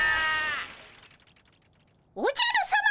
おじゃるさま！